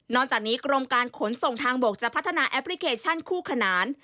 จากนี้กรมการขนส่งทางบกจะพัฒนาแอปพลิเคชันคู่ขนาน